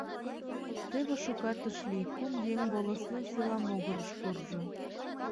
Теве шукат ыш лий, кум еҥ волостной села могырыш куржо.